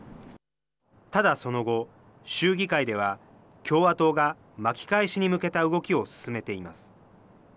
ただその後、州議会では共和党が巻き返しに向けた動きを進めています。